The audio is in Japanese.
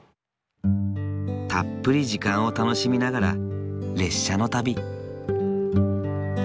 たっぷり時間を楽しみながら列車の旅。